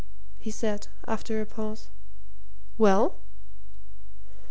he said, after a pause. "Well?"